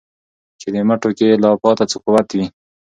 چي دي مټو كي لا پاته څه قوت وي